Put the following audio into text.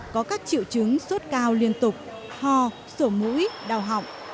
có các triệu chứng sốt cao liên tục ho sổ mũi đau họng